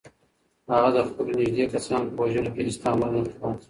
هغه د خپلو نږدې کسانو په وژلو کې هیڅ تامل نه کاوه.